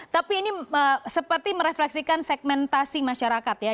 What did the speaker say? tapi ini seperti merefleksikan segmentasi masyarakat ya